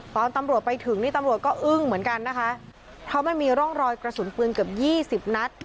ตอนตำรวจไปถึงนี่ตำรวจก็อึ้งเหมือนกันนะคะเพราะมันมีร่องรอยกระสุนปืนเกือบยี่สิบนัด